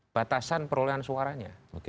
batasan perolehan suaranya